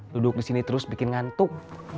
duduk disini terus bikin ngantuk